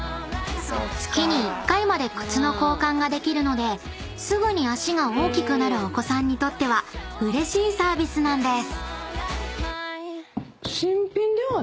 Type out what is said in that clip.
［月に１回まで靴の交換ができるのですぐに足が大きくなるお子さんにとってはうれしいサービスなんです］